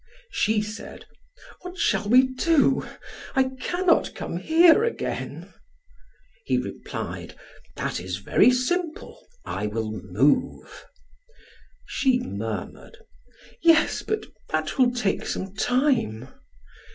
She said: "What shall we do? I cannot come here again." He replied: "That is very simple. I will move." She murmured: "Yes, but that will take some time."